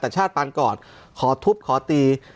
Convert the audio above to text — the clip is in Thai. แต่ชาติปานกอดขอทุบขอตี